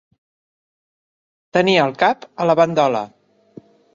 Tenir el cap a la bandola.